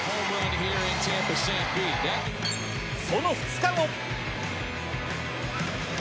その２日後。